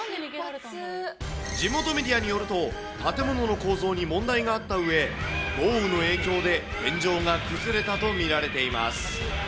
地元メディアによると、建物の構造に問題があったうえ、豪雨の影響で、天井が崩れたと見られています。